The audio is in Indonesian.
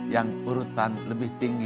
yang urutan lebih tinggi